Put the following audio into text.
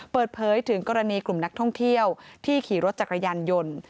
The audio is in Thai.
เปิดเผยถึงกรณีกลุ่มนักท่องเที่ยวที่ขี่รถจักรยานยนต์